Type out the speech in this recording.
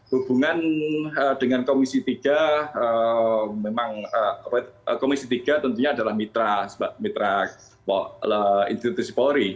hubungan dengan komisi tiga memang komisi tiga tentunya adalah mitra institusi polri